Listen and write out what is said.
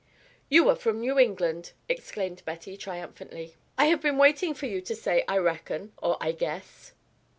"You are from New England," exclaimed Betty, triumphantly. "I have been waiting for you to say 'I reckon' or 'I guess.'"